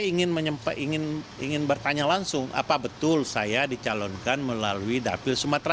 saya ingin menyampaikan ingin bertanya langsung apa betul saya dicalonkan melalui dapil sumatera